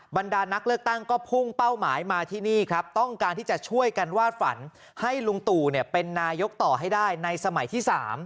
บรรดานักเลือกตั้งก็พุ่งเป้าหมายมาที่นี่ครับต้องการที่จะช่วยกันวาดฝันให้ลุงตู่เป็นนายกต่อให้ได้ในสมัยที่๓